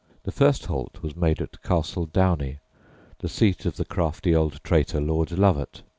The first halt was made at Castle Dounie, the seat of the crafty old traitor Lord Lovat.